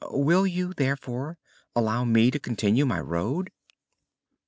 Will you, therefore, allow me to continue my road?"